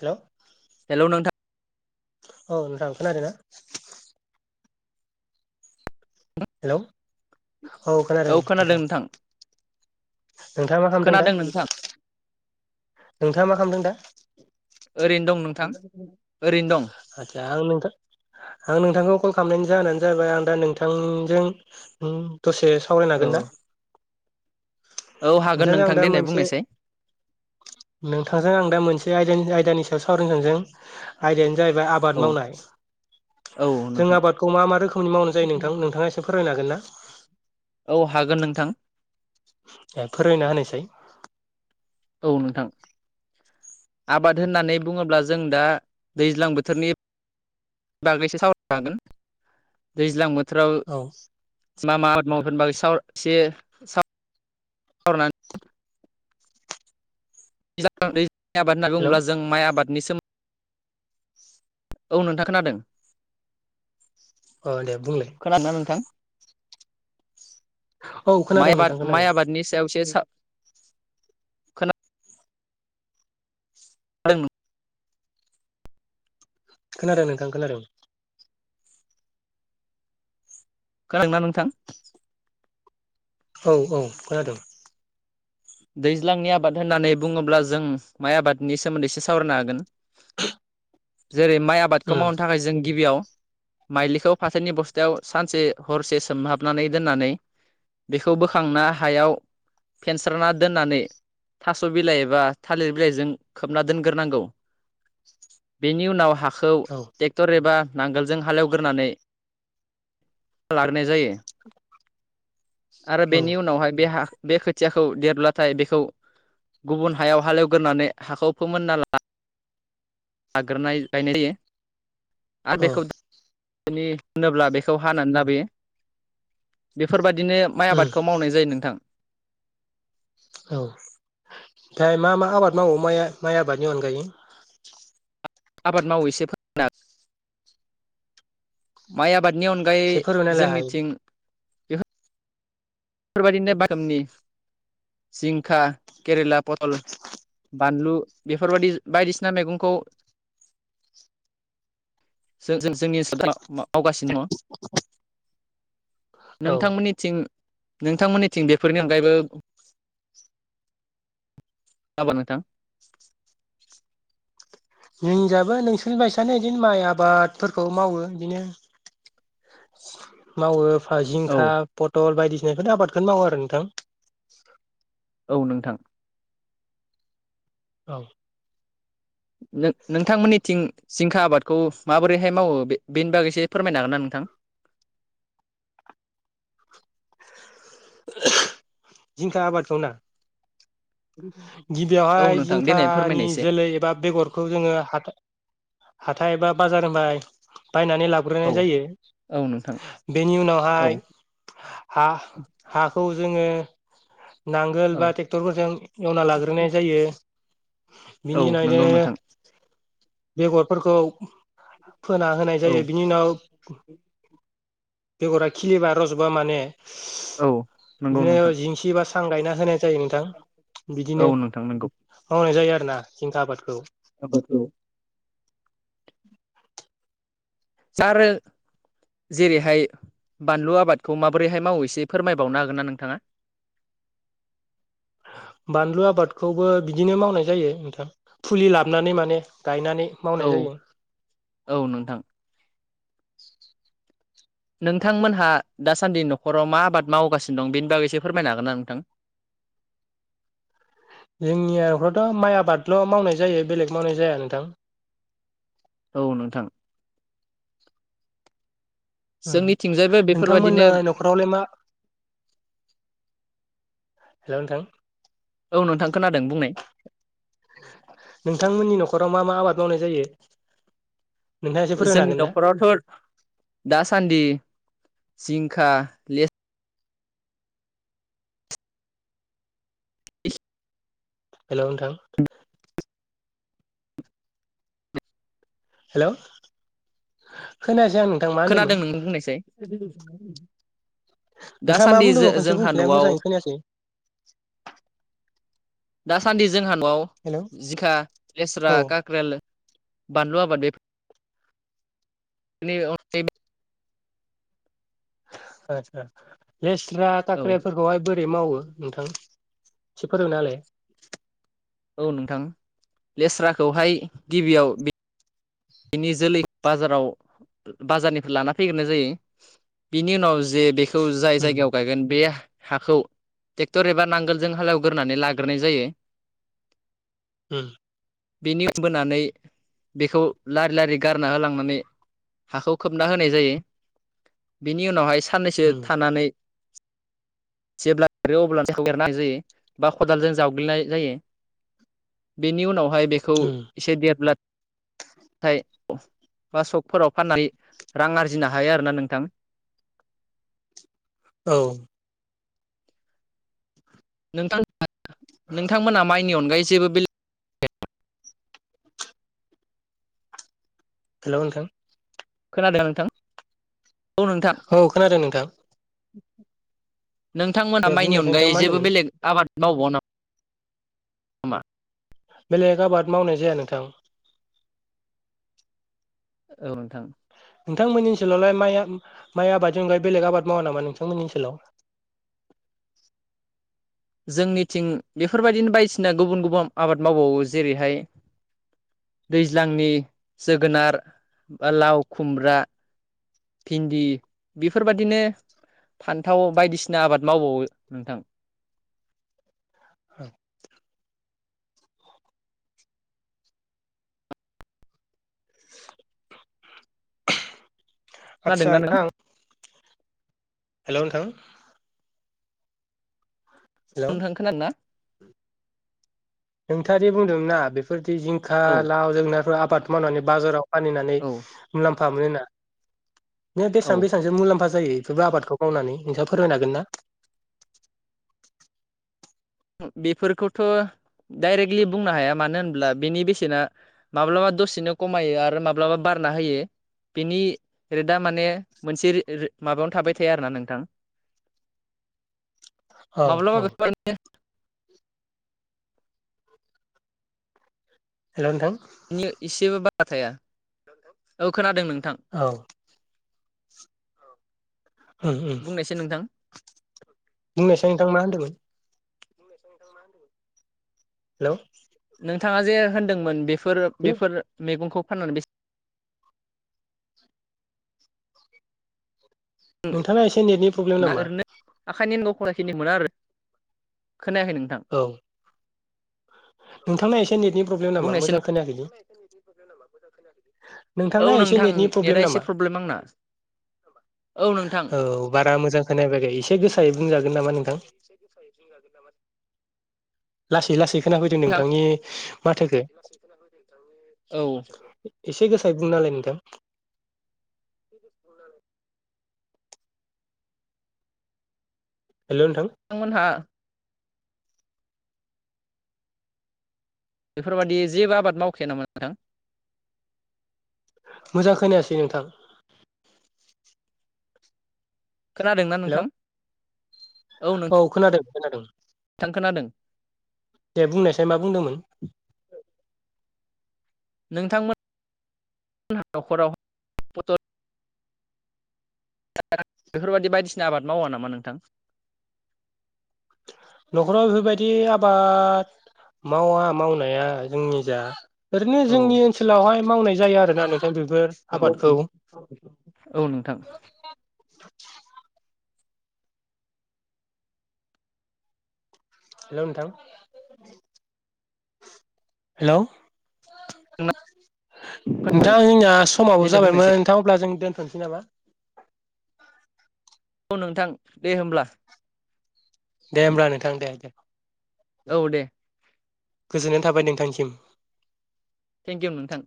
हेल' hello नोंथा औ नोंथां खोनादोना? हेलौ औ खोनादों नोंथां नोंथाङा मा खालामदों दा? खोनादों नोंथां नोंथाङा मा खामदों दा? ओहो आस्सा आं नोंथां आं नोंथांखौ कल खामनायनि जाहोनानो जाबाय आं दा नोंथांजों उम दसे सावरायनो औ हागोन ना? औ हागोन नोंथांजों आं नोंथां दा देनाय मोनसे बुंनायसाय नोंथांजों आं दा मोनस बे आयदानि आयदानि सायाव सावरायनां जों आयदायानो जाहैबाय आबाद औ मावनाय औ जों नोंथां आबादखौ मा मा रोखोमनि मावनाय जायो नोंथां नोंथाङा एसे फोरमायनो हागोन ना? औ हागोन नोंथां ए फोरमायना होनायसै औ नोंथां आबाद होननानै बुङोब्ला जों दा दैज्लां बोथोरनि बागैसो सावराय हागोन दैज्लां बोथ औ। मा मा आबाद [unintelligible] [unintelligible] माइ आबाद होनना हेलौ बुङोब्ला जों माइ आबाद निसिम औ नोंथां खोनादों। अ दे बुंलाय। खोनादोंना नोंथां औ माइ खोनादों नोंथां आबाद खोनादों माइ आबादनि सायावसो [unintelligible] खोना [unintelligible] खोनादों नोंथां खोनादों। खोनादोंना नोंथां? औ औ खोनादोंं। दैज्लांनि आबाद होननानै बुङोब्ला जों माइ आबादनि सोमोन्दै एससे सावरायनो हागोन। जेरै माइ आबादखौ उम मावनो थाखाय जों गिबियाव माइलिखौ फाथोनि बस्थायाव सानसे हरसे सोमहाबनानै दोननानै बेखौ बोखांना हायाव फे स्राना दोननानै थ' बिलाइ एबा थालिर बिलाइजों खोबना दोनग्रोनांगौ बेनि उनाव खौ औ ट्रेक्टर एबा नांगोलजों हालेवग्रोनानै लाग्रोनाय जायो। आरो औ बेनि उनावहाय बे हा बे खोथियाख खौ देरब्लाथाय बेखौ गुबुन हायाव हालेवग्रानै हाखौ फोमोनना ला आगोरनाय गायनाय जायो। आरो औ बेखौ। होनोब्ला बेखौ हानानै लाबोयो बेफोरबायदि। दिनो माइ उम आबादखौ मावनाय जायो नोंथां। औ ओमफाय मा मा आबाद मावो माय माइ आबादनि अनगायै? आबाद मावैसो [unintelligible] माय आबाद‌ नि अनगायै एसे फोरमायनायलाय हायो जोंनिथिं। [unintelligible] बेफोरबायदिनो बादामनि जिंखा केरेला। फथल बानलु बेफोरबायदि बायदिसिना मैगंखौ जोंनि ओनसोलाव [unintelligible] मावगासिनो दङ। औ नोंथांमोननिथिं। नोंथांमोननिथिं बेफोरनि अनगायैबो। [unintelligible] नोंथां जोंनिजाबो नोंसोरनि बायसानो बिदिनो माइ आबादफोरखौ मावो बिदिनो मावो। फा औ जिंखा पटल बायदि बेफोरनो आबादखौनो मावो आरो नोंथां औ नोंथां औ नों नोंथांमोननिथिं जिंखा आबादखौ माबोरैहाय मावो बे बेनि बागैसो फोरमायनो हागोन ना नोंथां जिंखा आबादखौ ना औ गिबियावहाय नोंथां देनाय जिंखानि फोरमायनाय एसे जोलै एबा बेगरखौ जोङो हा हाथाय एबा बाजार होनबाय बायनानै लाग्रोनाय औ जायो औ नोंथां बेनि औ उनावहाय हा हा औ जोङो नांगोल औ बा ट्रेक्टरफोरजों एवना लाग्रोनाय जायो औ बिनिनायनो नंगौ नोंथां बेगरफोरखौ फोना होनाय औ जायो बिनि उनाव बेगरा खिलिबा रज'बा माने औ नंगौ नोंथां बिदिनो जिंसि बा सां गायना होनाय जायो नोंथां। बिदिनो औ नोंथां नंगौ मावनाय जायो आरो ना जिंखा आबादखौ आाबादखौ आरो जेरैहाय बानलु आबादखौ माबोरैहाय मावो एसे फोरमायबावनो हागोन ना नोंथाङा? बानलु आबादखौबो बिदिनो मावनाय जायो नोंथां फुलि लाबोनानै माने गायनानै औ मावनाय जायो। औ नोंथां नोंथांमोनहा दासान्दि न'खराव मा आबाद मावगासिनो दं बेनि बागैसो फोरमायनो हागोन ना नोंथां? जोंनियाथ' माइ आबादल' मावनाय जायो बेलेग मावनाय जाया नोंथां। औ नोंथां औ जोंनिथिंजायबो नोंथांमोना बेफोरबादिनो न'खरावलाय मा हेलौ नोंथां औ नोंथां खोनादों बुंनाय नोंथांमोननि न'खराव मा मा आबाद मावनाय जायो नोंथाङा एसे फोरमायनो जोंनि हागोन ना न'खरावथ' दासान्दि जिंखा लेस हेलौ नोंथां हेलौ खोना जो खोनादों नोंनो बुंनायसाय [unintelligible] नोंथाङा मा दासान्दि जो बुंदोंमोन खनसे जोंहा बुंफिनलाय आं न'आव मोजाङै खोनायासै दासान्दि जोंहा न'आव हेल' जिखा, लेस्रा, औ काख्रेल बानलु आबाद‌बे अनगायैबो आतसा लेस्रा, औ काक्रेलफोरखौहाय बोरै मावो नोंथां एसे फोरोंना‌ सोलाय। औ नोंथां लेस्राखौहाय गिबियाव बिनि जोलै बाजाराव बाजारनिफ्राय लाना फैग्रोननाय जायो बिनि उनाव जे बे थ जाय उम जायगायाव गायगोन बे हाखौ ट्रेक्टर एबा नांगोलजों हालेवग्रोनानै लाग्रोनाय जायो उम बेनि बोनानै बेखौ लारि लारि गारना होलांनानै हाखौ खोबना होनाय जायो बिनि उनावहाय साननैसो उम थानानै जेब्ला देरो अब्ल [unintelligible] जायो उम [inaudible] थाय बा सग फोराव फाननानै रां आरजिनो हायो आरो ना नोंथां? औ। नोंथां नोंथांमोना हेलौ नोंथां। खोनादोना नोंथां? औ नोंथां औ खोनादों नोंथां। [inaudible] दे नोंथांमोना माइनि बुंनायसाय नोंथां अनगायै मा जेबो होनदोंमोन बेलेग आबाद न बन मा बेलेग आबाद मावनाय जाया नोंथां। औ नोंथां। नोंथांमोननि ओनसोलावलाय माइ आबादजोंलाय बेलेग आबाद मावा नामा नोंथांमोननि ओनसोलाव। जोंनिथिं बेफोरबायदिनो बायदिसिना गुबुन गुबुन आबाद मावबावो जेरैहाय भिन्दि बेफोरबादिनो फान औ। आच्छा खोनादोंना नों नोंथां हेलौ नोंथां। हेलौ नोंथां खोनादोंना। नोंथाङा दे बुं। जिंखा औ लाव जोंगोनारफोर [unintelligible] मारानि बाजाराव फानैनानै औ मुलाम फा मोनो ना। नों बेसां औ बेसांसो मुलाम्फा जायो इफोर आबादखौ मावनानै नोंथाङा फोरमायनो हागोन ना? बेफोरखौथ' डायरेक्टलि बुंनो हाया मानो होनब्ला बेनि बेसेना माब्लाबा दसेनो कमायो आरो माब्लाबा बारना होयो। बेनि रेटआ माने मोनसे [unintelligible] रो माबायावनो थाबाय थाया आरोना नोंथां। औ माब्लाबा औ बे [unintelligible] [inaudible] हेलौ नोंथां। बिनि एसेबो बारा थाया। औ खोनादों नों औ। औ। उम उम बुंनायसाय नोंथां मा होनदोंमोन? बुंनायसाय नोंथां मा होनदोंमोन? हेलौ। नोंथाङा जे होन्दोंमोन बे फोर हेलौ बेफोर मेगंखौ फाननानै बेसे नोंथांना एसे नेटनि प्रब्लेम बेसेबां नामा? ओरैनो आखाइनि [unintelligible] मोना आरो खोनायाखै नोंथां। औ नोंथांना एसे नेटनि प्रब्लेम नामा बुंनायसै मोजां खोनायाखै जे नोंथा औ एसे नोंथां नेटनि प्रब्लेम नेटआ एसे नामा? प्रब्लेम आंना औ बारा मोजां खोना फैयाखै एसे गोसायै बुंजागोन नामा नोंथां। लासै लासै खोनाफै नोंथां नोंथांनि माथोखो औ। बुंना होलाय नोंथां। [inaudible] हेलौ नोंथां नोंथांमोनहा बेफोरबायदि जेबो आबाद मावखाया नामा नोंथां? मोजां खोनायासै नोंथां। खोनादों ना हेलौ नोंथां? औ खोनादों। खोनादों। थां खोनादों। दे बुंनायसाय मा बुंदोंमोन? नोंथांमोन न'खराव फट [unintelligible] बेफोरबादि बायदिसिना आबाद मावा नामा नोंथां? न'खराव बेफोरबायदि आबाद मावा मावनाया जोंनि जा ओरैनो औ जोंनि ओनसोलावहाय मावनाय जाया आरो [unintelligible] औ औ नोंथां। हेल' नोंथां हेल' नोंथां जोंना समाबो देनाय जाबायमोन बुंनायसै नोंथां अब्ला जों दोन नोसै नामा? औ नोंथां दे होमब्ला। दे होमब्ला नोंथां दे दे। औ दे। गोजोननाय थाबाय नोंथांसिम। थेंक इउ नोंथां।